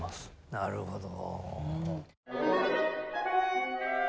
なるほど。